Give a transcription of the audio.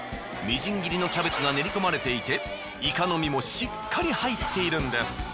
みじん切りのキャベツが練り込まれていてイカの身もしっかり入っているんです。